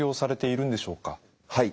はい。